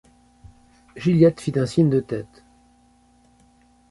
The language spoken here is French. Gilliatt fit un signe de tête.